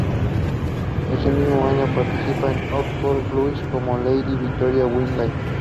Ese mismo año participa en "Oxford Blues" como Lady Victoria Wingate.